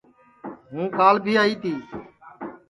ہُوں کال بھی آئی تی